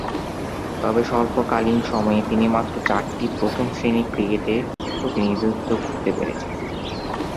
তবে, স্বল্পকালীন সময়ে তিনি মাত্র চারটি প্রথম-শ্রেণীর ক্রিকেটে প্রতিনিধিত্ব করতে পেরেছেন।